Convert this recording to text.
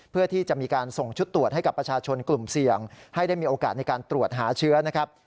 เพื่อที่จะมีการส่งชุดตรวจให้กับประชาชนกลุ่มเสี่ยงให้ได้มีโอกาสในการตรวจหาเชื้อนะครับ